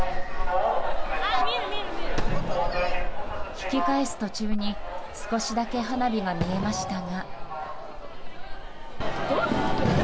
引き返す途中に少しだけ花火が見えましたが。